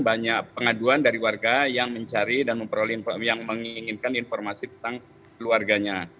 banyak pengaduan dari warga yang mencari dan memperoleh informasi yang menginginkan informasi tentang keluarganya